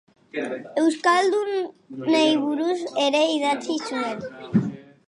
Euskaldunei buruz ere idatzi zuen.